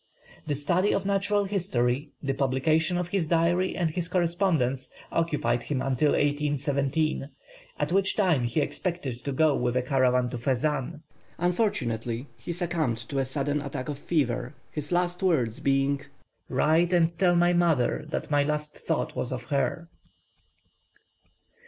The study of natural history, the publication of his diary, and his correspondence, occupied him until 1817, at which time he expected to go with a caravan to Fezzan. Unfortunately he succumbed to a sudden attack of fever, his last words being, "Write and tell my mother that my last thought was of her."